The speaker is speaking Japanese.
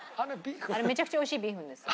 あれめちゃくちゃ美味しいビーフンです。